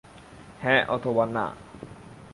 হ্যাঁ অথবা না।